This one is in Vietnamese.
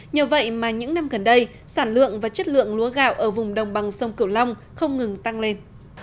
nhờ vậy mà những năm gần đây sản lượng và chất lượng lúa gạo ở vùng đồng bằng sông cửu long không ngừng tăng lên